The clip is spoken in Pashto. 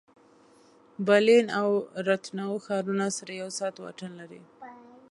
برلین او راتناو ښارونه سره یو ساعت واټن لري